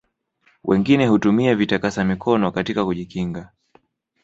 wengine hutumia vitakasa mikono katika kujikinga